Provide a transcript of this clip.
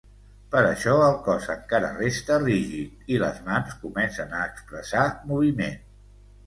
Per això el cos encara resta rígid, i les mans comencen a expressar moviment.